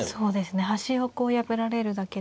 端をこう破られるだけで。